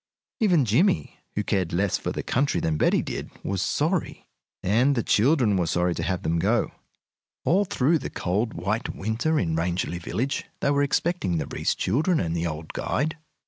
Even Jimmie, who cared less for the country than Betty did, was sorry. And the children were sorry to have them go. All through the cold, white winter in Rangeley Village they were expecting the Reece children and the old guide.